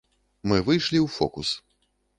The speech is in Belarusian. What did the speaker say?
Мы выйшлі ў фокус.